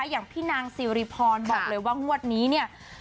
อย่างพี่นางสิริพรบอกเลยว่างว่านี้